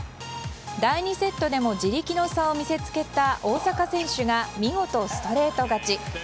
第２セットでも地力の差を見せつけた大坂選手が見事ストレート勝ち。